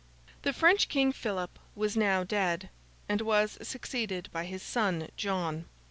The French King, Philip, was now dead, and was succeeded by his son John.